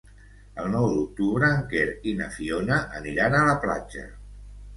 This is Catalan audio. El nou d'octubre en Quer i na Fiona aniran a la platja.